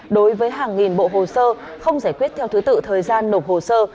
đối với hàng nghìn bộ hồ sơ không giải quyết theo thứ tự thời gian nộp hồ sơ